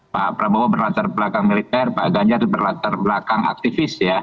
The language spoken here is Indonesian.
pak prabowo berlatar belakang militer pak ganjar itu berlatar belakang aktivis ya